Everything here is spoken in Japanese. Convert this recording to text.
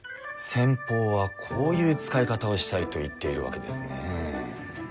先方はこういう使い方をしたいと言っているわけですね。